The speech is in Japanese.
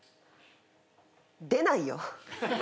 出ないよ